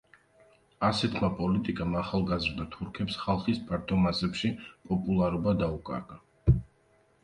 ასეთმა პოლიტიკამ ახალგაზრდა თურქებს ხალხის ფართო მასებში პოპულარობა დაუკარგა.